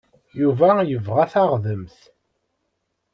Yuba yebɣa taɣdemt.